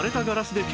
で